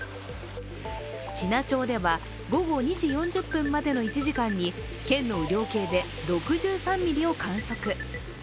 知名町では午後２時４０分までの１時間に県の雨量計で６３ミリを観測。